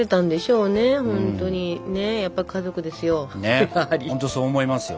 ほんとそう思いますよ。